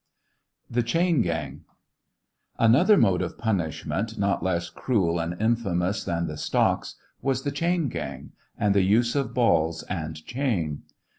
THE CHAIN GANG. Another mode of punishment, not less cruel and infamous than the stocks, was the chain gang, and the use of balls and chain.